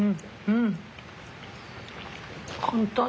うん。